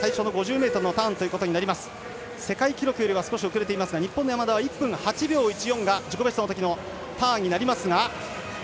世界記録よりは少し遅れていますが日本の山田は１分８秒１４が自己ベストのときのターンになりますが。